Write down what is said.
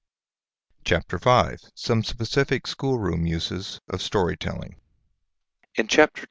CHAPTER V SOME SPECIFIC SCHOOLROOM USES OF STORY TELLING In Chapter II.